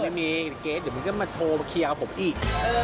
จะมีเกรทเดี๋ยวมันก็มาโทรมาเคลียร์ผมอีก